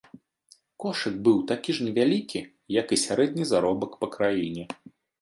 Кошык быў такі ж невялікі, як і сярэдні заробак па краіне.